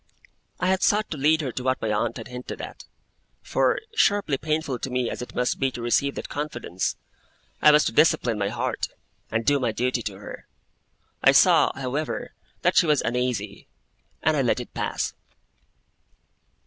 I had sought to lead her to what my aunt had hinted at; for, sharply painful to me as it must be to receive that confidence, I was to discipline my heart, and do my duty to her. I saw, however, that she was uneasy, and I let it pass.